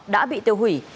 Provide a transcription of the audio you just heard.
đã bị tiêu hủy